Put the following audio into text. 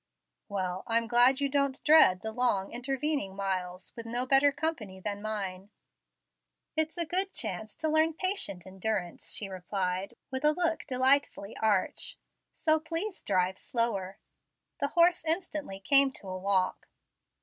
"Well, I'm glad you don't dread the long, intervening miles, with no better company than mine." "It's a good chance to learn patient endurance," she replied, with a look delightfully arch. "So please drive slower." The horse instantly came to a walk.